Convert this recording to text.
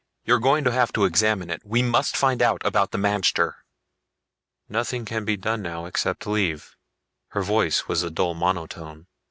You're going to have to examine it. We must find out about the magter...." "Nothing can be done now except leave." Her voice was a dull monotone.